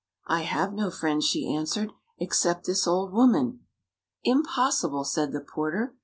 " I have no friends," she answered, " except this old woman." "Impossible! " said the porter.